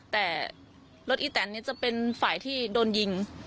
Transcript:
แต่รถอีแตนจะเป็นฝ่ายที่โดนยิง